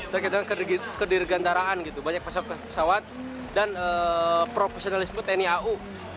terkait dengan kedirgantaraan gitu banyak pesawat dan profesionalisme tni au